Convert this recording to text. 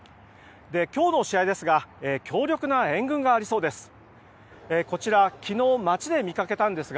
今日の試合ですが強力な援軍がありそうです。